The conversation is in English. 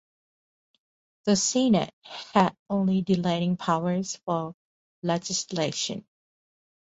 The Senate had only delaying powers for legislation.